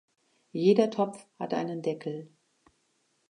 Jeder Topf hat einen Deckel.